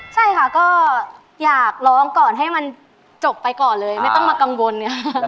ใช่ค่ะก็อยากร้องก่อนให้มันจบไปก่อนเลยไม่ต้องมากังวลไง